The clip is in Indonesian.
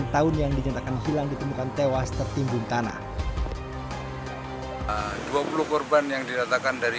tahun yang dinyatakan hilang ditemukan tewas tertimbun tanah dua puluh korban yang diratakan dari